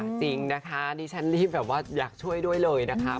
จริงนะคะดิฉันรีบแบบว่าอยากช่วยด้วยเลยนะคะ